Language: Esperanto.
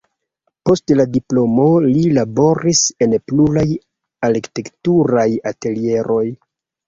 Post la diplomo li laboris en pluraj arkitekturaj atelieroj.